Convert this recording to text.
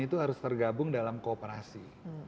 itu harus tergabung dalam kooperasi